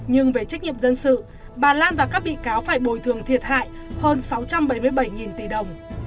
nhưng về trách nhiệm dân sự bà lan và các bị cáo phải bồi thường thiệt hại hơn sáu trăm bảy mươi bảy tỷ đồng